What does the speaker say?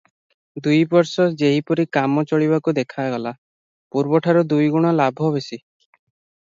ଦୁଇବର୍ଷ ଯେହିପରି କାମ ଚଳିବାରୁ ଦେଖାଗଲା, ପୂର୍ବଠାରୁ ଦୁଇଗୁଣ ଲାଭ ବେଶୀ ।